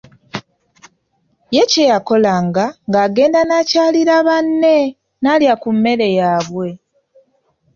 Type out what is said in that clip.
Ye kye yakolanga ng'agenda n'akyalira banne n'alya ku mmere yaabwe.